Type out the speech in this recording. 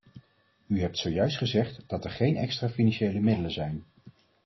U hebt zojuist gezegd dat er geen extra financiële middelen zijn.